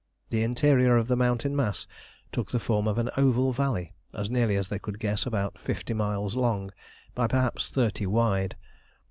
The interior of the mountain mass took the form of an oval valley, as nearly as they could guess about fifty miles long by perhaps thirty wide.